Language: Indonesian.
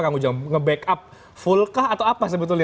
kamu nge backup full kah atau apa sebetulnya